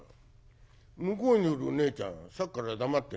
向こうにいるねえちゃんさっきから黙ってんね。